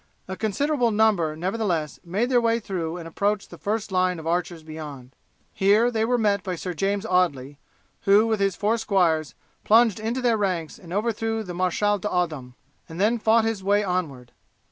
A considerable number, nevertheless, made their way through and approached the first line of archers beyond. Here they were met by Sir James Audley, who, with his four squires, plunged into their ranks and overthrew the Marechal D'Audeham, and then fought his way onward.